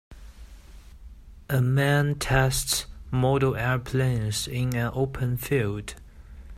A man tests model airplanes in an open field.